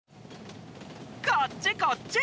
こっちこっち！